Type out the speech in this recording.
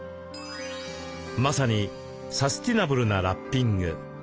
まさにサスティナブルなラッピング。